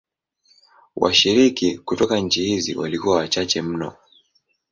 Washiriki kutoka nchi hizi walikuwa wachache mno.